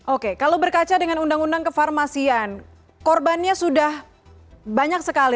oke kalau berkaca dengan undang undang kefarmasian korbannya sudah banyak sekali